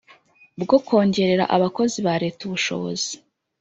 bwo kongerera abakozi ba Leta ubushobozi